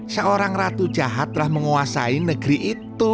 seorang ratu jahat telah menguasai negeri itu